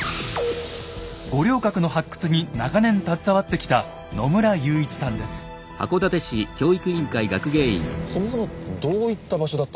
五稜郭の発掘に長年携わってきたそもそもどういった場所だったんですか？